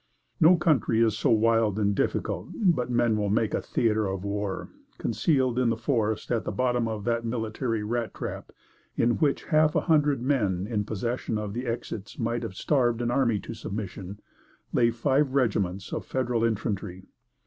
No country is so wild and difficult but men will make it a theater of war; concealed in the forest at the bottom of that military rat trap, in which half a hundred men in possession of the exits might have starved an army to submission, lay five regiments of Federal infantry.